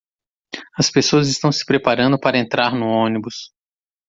as pessoas estão se preparando para entrar no ônibus